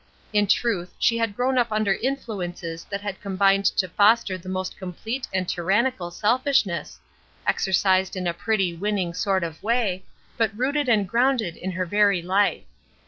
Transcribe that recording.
In truth she had grown up under influences that had combined to foster the most complete and tyrannical selfishness exercised in a pretty, winning sort of way, but rooted and grounded in her very life.